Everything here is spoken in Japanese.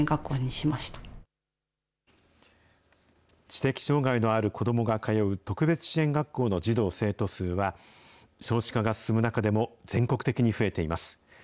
知的障害のある子どもが通う特別支援学校の児童・生徒数は、少子化が進む中でも全国的に増えています。